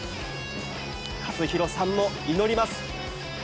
和博さんも祈ります。